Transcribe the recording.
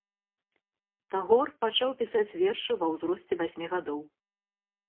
Тагор пачаў пісаць вершы ва ўзросце васьмі гадоў.